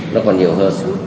nó còn nhiều hơn